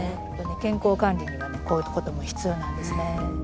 健康管理にはねこういうことも必要なんですね。